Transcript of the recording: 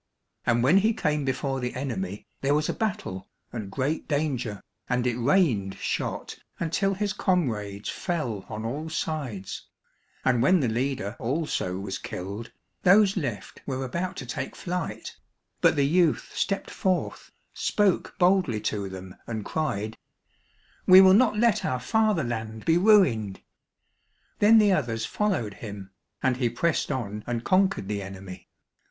And when he came before the enemy, there was a battle, and great danger, and it rained shot until his comrades fell on all sides, and when the leader also was killed, those left were about to take flight, but the youth stepped forth, spoke boldly to them, and cried, "We will not let our fatherland be ruined!" Then the others followed him, and he pressed on and conquered the enemy.